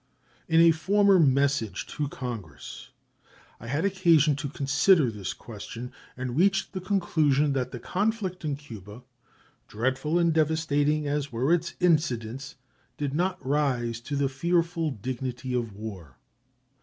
In a former message to Congress I had occasion to consider this question, and reached the conclusion that the conflict in Cuba, dreadful and devastating as were its incidents, did not rise to the fearful dignity of war.